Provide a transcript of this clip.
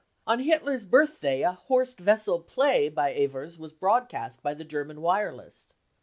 On Hitler's birthday a " Horst Wessel " play by Ewers was broadcast by the German wireless.